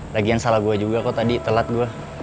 lagian salah gue juga kok tadi telat gue